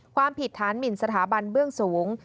ความผิดฐานหมินสถาบันเบื้องสูง